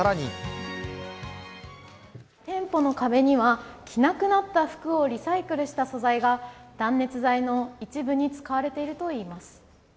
店舗の壁には着なくなった服をリサイクルした素材が断熱材の一部に使われているといいます。